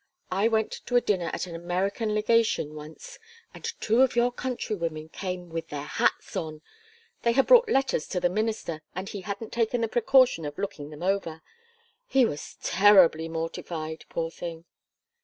I went to a dinner at an American Legation once and two of your countrywomen came with their hats on. They had brought letters to the Minister, and he hadn't taken the precaution of looking them over. He was terribly mortified, poor thing."